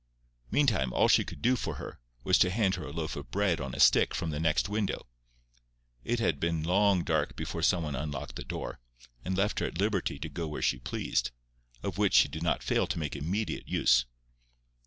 Meantime all she could do for her was to hand her a loaf of bread on a stick from the next window. It had been long dark before some one unlocked the door, and left her at liberty to go where she pleased, of which she did not fail to make immediate use.